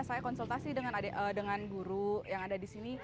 saya konsultasi dengan guru yang ada di sini